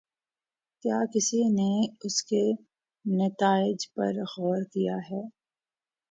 کیا کسی نے اس کے نتائج پر غور کیا ہے؟